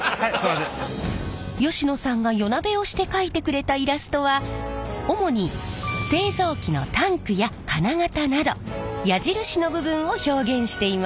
吉野さんが夜なべをして描いてくれたイラストは主に製造機のタンクや金型など矢印の部分を表現しています。